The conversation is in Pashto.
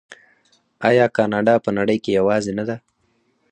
آیا کاناډا په نړۍ کې یوازې نه ده؟